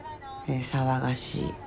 騒がしい。